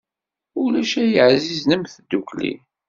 Ulac i yeɛzien am tdukli.